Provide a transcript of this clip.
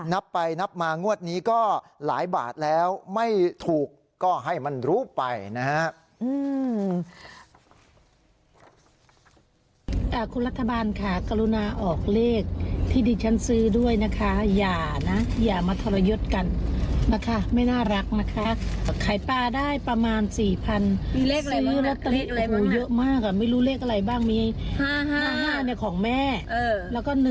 นับไปนับมางวดนี้ก็หลายบาทแล้วไม่ถูกก็ให้มันรู้ไปนะฮะ